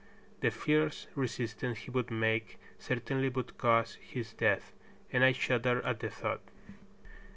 The fierce resistance he would make certainly would cause his death, and I shuddered at the thought.